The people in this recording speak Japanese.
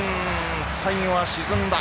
最後は沈んだ。